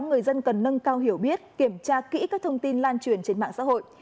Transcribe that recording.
người dân cần nâng cao hiểu biết kiểm tra kỹ các thông tin lan truyền trên mạng xã hội